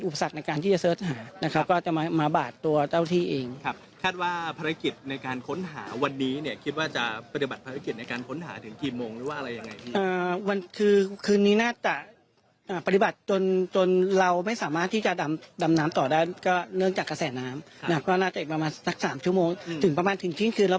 ในการที่จะเสิร์ชหานะครับก็จะมามาบาดตัวเจ้าที่เองครับคาดว่าภารกิจในการค้นหาวันนี้เนี่ยคิดว่าจะปฏิบัติภารกิจในการค้นหาถึงกี่โมงหรือว่าอะไรยังไงวันคือคืนนี้น่าจะปฏิบัติจนจนเราไม่สามารถที่จะดำดำน้ำต่อได้ก็เนื่องจากกระแสน้ำนะครับก็น่าจะประมาณสักสามชั่วโมงถึงประมาณถึงเที่ยงคืนแล้ว